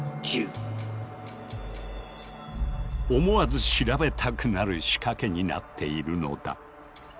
思わず調べたくなる仕掛けになっているのだ。